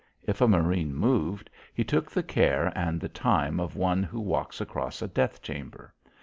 If a marine moved, he took the care and the time of one who walks across a death chamber.